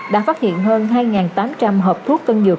đã phát hiện hơn hai tám trăm linh hộp thuốc tân dược